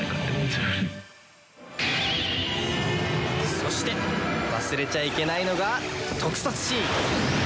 そして忘れちゃいけないのが特撮シーン！